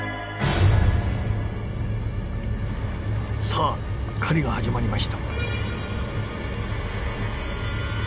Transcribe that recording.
さあ狩りが始まりました。